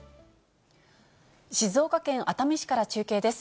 静岡県熱海市から中継です。